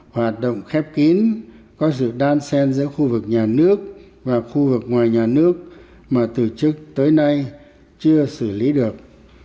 hoạt động khép kín có sự đan sen giữa khu vực nhà nước và khu vực ngoài nhà nước mà từ trước tới nay chưa xử lý được